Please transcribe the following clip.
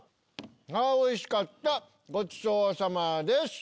あっおいしかったごちそうさまです。